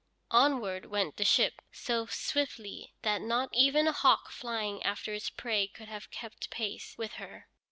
Onward went the ship, so swiftly that not even a hawk flying after its prey could have kept pace with her.